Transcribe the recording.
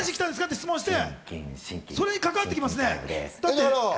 そう質問されて、それに関わってきますね。